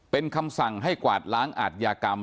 เป็นคำสั่งให้กวาดล้างอาทยากรรม